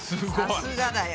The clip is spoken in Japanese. さすがだよ。